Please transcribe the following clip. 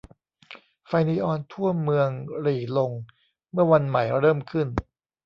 ไฟนีออนทั่วเมืองหรี่ลงเมื่อวันใหม่เริ่มขึ้น